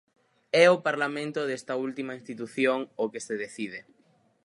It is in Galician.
É o Parlamento desta última institución o que se decide.